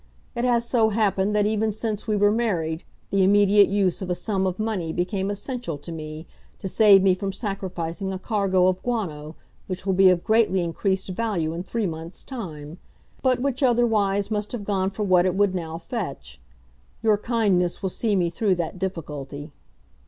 It has so happened that even since we were married the immediate use of a sum of money became essential to me to save me from sacrificing a cargo of guano which will be of greatly increased value in three months' time, but which otherwise must have gone for what it would now fetch. Your kindness will see me through that difficulty.